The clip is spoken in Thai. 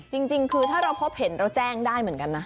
จริงคือถ้าเราพบเห็นเราแจ้งได้เหมือนกันนะ